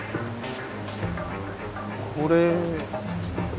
これ。